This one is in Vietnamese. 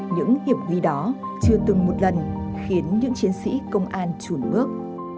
những hiệp ghi đó chưa từng một lần khiến những chiến sĩ công an trùn bước